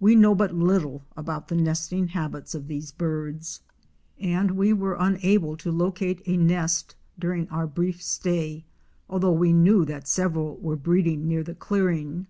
We know but little about the nesting habits of these birds, 304 OUR SEARCH FOR A WILDERNESS. and we were unable to locate a nest during our brief stay al though we knew that several were breeding near the clearing.